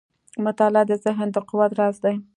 • مطالعه د ذهن د قوت راز دی.